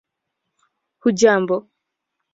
hujambo